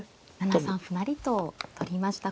７三歩成と取りました。